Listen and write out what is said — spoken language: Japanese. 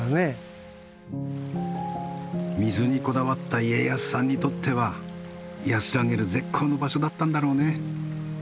水にこだわった家康さんにとっては安らげる絶好の場所だったんだろうね。